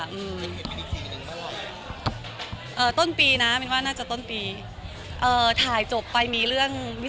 แฟนก็เหมือนละครมันยังไม่มีออนอะไรอย่างนี้มากกว่าไม่รับปีละเรื่องเองอ่ะ